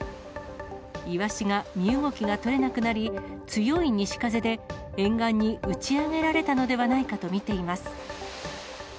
イワシが身動きが取れなくなり、強い西風で沿岸に打ち上げられたのではないかと見ています。